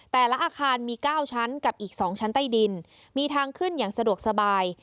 อาคารมี๙ชั้นกับอีก๒ชั้นใต้ดินมีทางขึ้นอย่างสะดวกสบาย